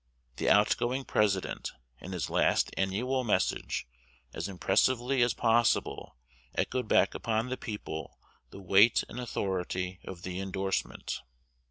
The outgoing President, in his last annual Message, as impressively as possible echoed back upon the people the weight and authority of the indorsement.